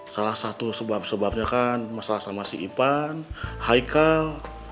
salah satu sebab sebabnya kan masalah sama si ipan hikal